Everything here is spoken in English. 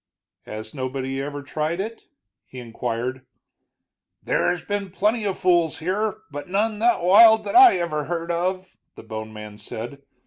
"Has nobody ever tried it?" he inquired. "There's been plenty of fools here, but none that wild that I ever heard of," the bone man said.